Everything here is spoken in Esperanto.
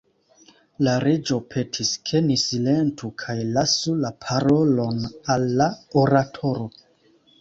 La Reĝo petis, ke ni silentu kaj lasu la parolon al la oratoro.